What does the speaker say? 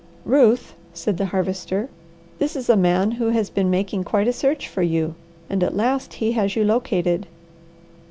"Ruth," said the Harvester, "this is a man who has been making quite a search for you, and at last he has you located."